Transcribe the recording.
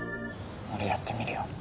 俺やってみるよ。